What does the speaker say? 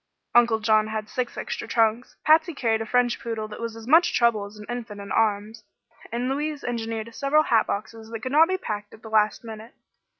Uncle John had six extra trunks, Patsy carried a French poodle that was as much trouble as an infant in arms, and Louise engineered several hat boxes that could not be packed at the last minute.